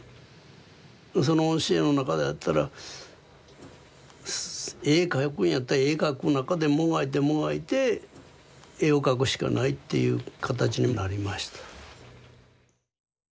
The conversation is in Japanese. その教えの中だったら絵描くんやったら絵描く中でもがいてもがいて絵を描くしかないっていう形になりました。